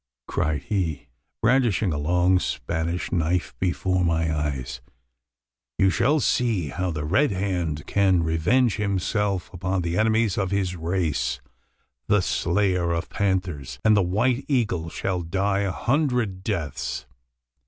cried he, brandishing a long Spanish knife before my eyes; "you shall see how the Red Hand can revenge himself upon the enemies of his race. The slayer of Panthers, and the White Eagle, shall die a hundred deaths.